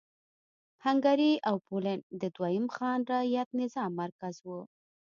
هنګري او پولنډ د دویم خان رعیت نظام مرکز و.